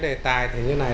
đề tài thì như thế này